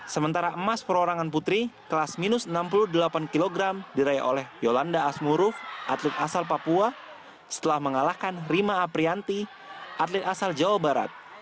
sementara emas perorangan putri kelas minus enam puluh delapan kg diraih oleh yolanda asmuruf atlet asal papua setelah mengalahkan rima aprianti atlet asal jawa barat